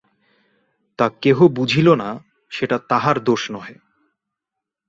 তা কেহ বুঝিল না, সেটা তাহার দোষ নহে।